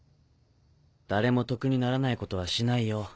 誰も得にならないことはしないよ。